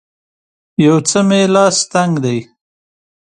یو څه مې لاس تنګ دی